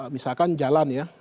misalkan jalan ya